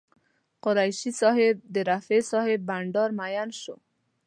قریشي صاحب د رفیع صاحب بانډار مین شو.